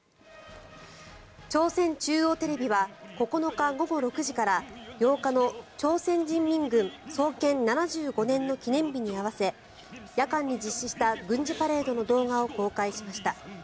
朝鮮中央テレビは９日午後６時から８日の朝鮮人民軍創建７５年の記念日に合わせ夜間に実施した軍事パレードの動画を公開しました。